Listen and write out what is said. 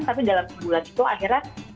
tapi dalam sebulan itu akhirnya